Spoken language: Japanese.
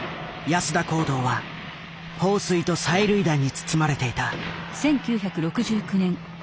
安田講堂は放水と催涙弾に包まれていた。